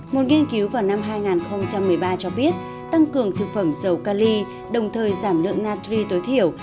một nghiên cứu vào năm hai nghìn một mươi ba cho biết tăng cường thực phẩm dầu cali đồng thời giảm lượng natri tối thiểu